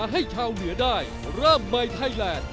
ให้ชาวเหนือได้เริ่มใหม่ไทยแลนด์